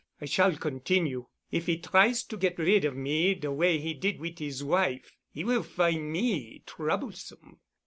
I shall continue. If he tries to get rid of me de way he did wit' his wife, he will find me troublesome."